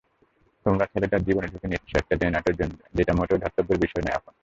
তোমরা ছেলেটার জীবনের ঝুঁকি নিচ্ছো একটা জেনারেটরের জন্য যেটা মোটেও ধর্তব্যের বিষয় না এখন!